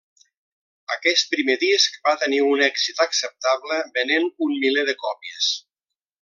Aquest primer disc va tenir un èxit acceptable venent un miler de còpies.